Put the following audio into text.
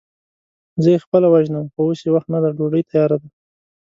زه يې خپله وژنم، خو اوس يې وخت نه دی، ډوډۍ تياره ده.